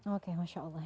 oke masya allah